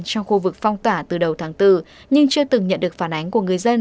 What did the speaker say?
trong khu vực phong tỏa từ đầu tháng bốn nhưng chưa từng nhận được phản ánh của người dân